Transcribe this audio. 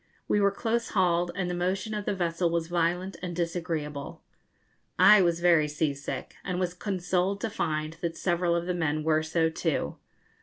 We were close hauled, and the motion of the vessel was violent and disagreeable. I was very sea sick, and was consoled to find that several of the men were so too.